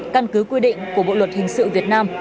căn cứ quy định của bộ luật hình sự việt nam